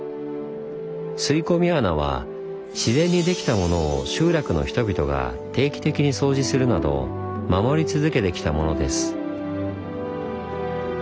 吸い込み穴は自然にできたものを集落の人々が定期的に掃除するなど守り続けてきたものです。